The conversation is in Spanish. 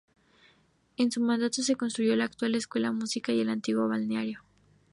En su mandato se construyó la actual Escuela de Música y el antiguo balneario.